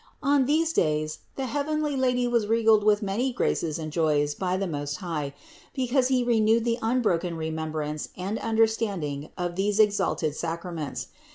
On these days the heavenly Lady was regaled with many graces and joys by the Most High; because He renewed the unbroken remembrance and understanding of these exalted sacraments.